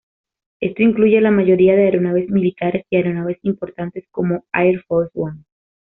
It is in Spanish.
Esto incluye la mayoría de aeronaves militares y aeronaves importantes, como Air Force One.